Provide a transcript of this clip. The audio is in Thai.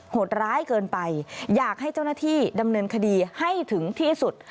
โหดร้ายเกินไปอยากให้เจ้าหน้าที่ดำเนินคดีให้ถึงที่สุด